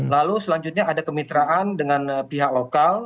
lalu selanjutnya ada kemitraan dengan pihak lokal